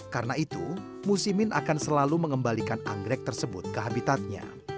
karena itu musimin akan selalu mengembalikan anggrek tersebut ke habitatnya